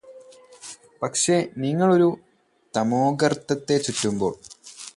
പക്ഷേ നിങ്ങള് ഒരു തമോഗര്ത്തത്തെ ചുറ്റുമ്പോള്